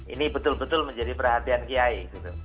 ini betul betul menjadi perhatian kiai